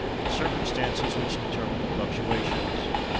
Circumstances which Determine the Fluctuations.